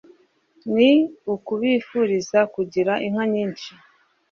Ni ukubifuriza kugira inka nyinshi